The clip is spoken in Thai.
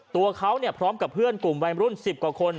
ตัวเขาพร้อมกับเพื่อนกลุ่มวัยมรุ่น๑๐กว่าคน